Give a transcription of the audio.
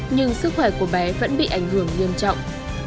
nhưng sức khỏe của bé vẫn bị ảnh hưởng nghiêm trọng